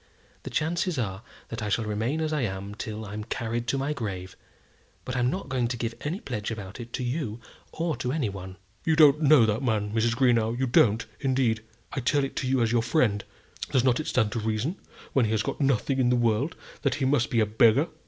The chances are that I shall remain as I am till I'm carried to my grave; but I'm not going to give any pledge about it to you or to any one." "You don't know that man, Mrs. Greenow; you don't, indeed. I tell it you as your friend. Does not it stand to reason, when he has got nothing in the world, that he must be a beggar?